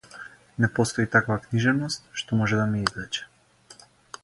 Не постои таква книжевност што може да ме извлече.